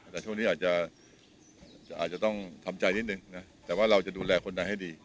แต่ช่วงนี้อาจจะต้องทำใจนิดนึงนะแต่ว่าเราจะดูแลคนใดให้ดี